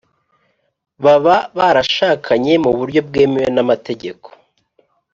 baba barashakanye mu buryo bwemewe n’amategeko.